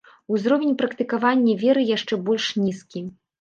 Узровень практыкавання веры яшчэ больш нізкі.